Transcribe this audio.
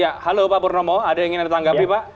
ya halo pak purnomo ada yang ingin ditanggapi pak